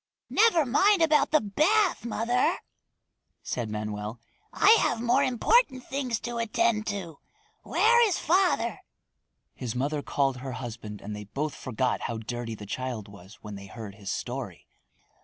"Never mind about the bath, mother," said Manoel. "I have more important things to attend to. Where is father?" His mother called her husband and they both forgot how dirty the child was when they heard his story.